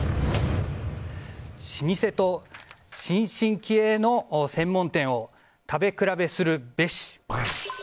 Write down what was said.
老舗と新進気鋭の専門店を食べ比べするべし。